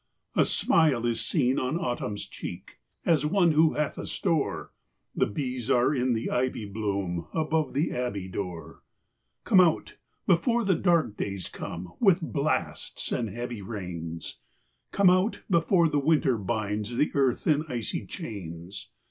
A smile is seen on Autumn's cheek, As one who hath a store ; The bees are in the ivy bloom, Above the abbey door. Come out, before the dark days come, With blasts and heavy rains : Come out, before the winter binds The earth in icy chains.